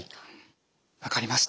分かりました。